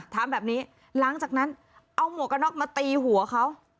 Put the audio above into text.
ถามแบบนี้หลังจากนั้นเอาหมวกกระน็อกมาตีหัวเขา